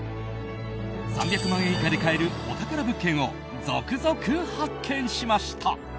３００万円以下で買えるお宝物件を続々発見しました。